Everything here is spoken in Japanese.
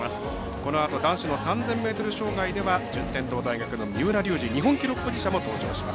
このあと男子の３０００ｍ障害では順天堂大学の三浦龍司、日本記録保持者も登場します。